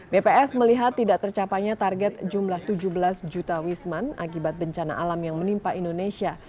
bps melihat tidak tercapainya target jumlah tujuh belas juta wisman akibat bencana alam yang menimpa indonesia